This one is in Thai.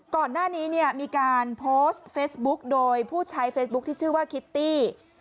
ก่อนหน้านี้เนี่ยมีการโพสต์เฟซบุ๊กโดยผู้ใช้เฟซบุ๊คที่ชื่อว่าคิตตี้